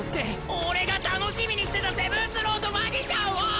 俺が楽しみにしてたセブンスロード・マジシャンを！